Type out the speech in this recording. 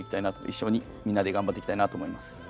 一緒にみんなで頑張っていきたいなと思います。